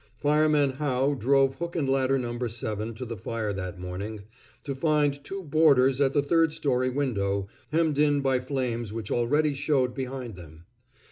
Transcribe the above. Fireman Howe drove Hook and Ladder No. 7 to the fire that morning, to find two boarders at the third story window, hemmed in by flames which already showed behind them.